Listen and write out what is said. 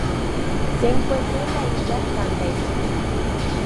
Se encuentra en la isla Santa Elena.